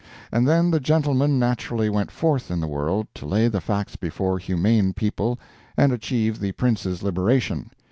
And then the gentleman naturally went forth in the world to lay the facts before humane people and achieve the Prince's liberation.